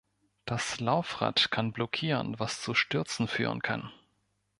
Das Laufrad kann blockieren, was zu Stürzen führen kann.